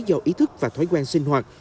do ý thức và thói quen sinh hoạt